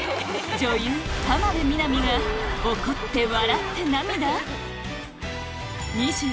女優浜辺美波が怒って笑って涙